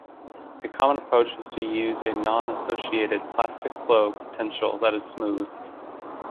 A common approach is to use a non-associated plastic flow potential that is smooth.